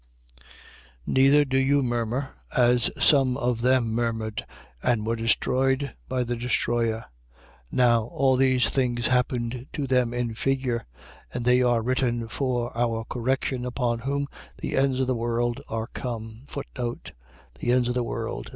10:10. Neither do you murmur, as some of them murmured and were destroyed by the destroyer. 10:11. Now all these things happened to them in figure: and they are written for our correction, upon whom the ends of the world are come. The ends of the world.